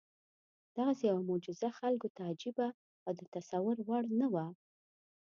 دغسې یوه معجزه خلکو ته عجیبه او د تصور وړ نه وه.